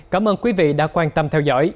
cảm ơn quý vị đã quan tâm theo dõi